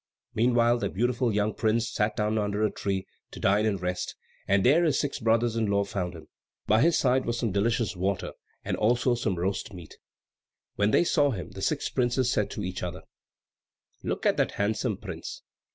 Meanwhile the beautiful young prince had sat down under a tree, to dine and rest, and there his six brothers in law found him. By his side was some delicious water, and also some roast meat. When they saw him the six princes said to each other, "Look at that handsome prince.